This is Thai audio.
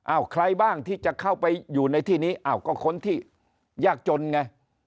ใครบ้างที่จะเข้าไปอยู่ในที่นี้อ้าวก็คนที่ยากจนไง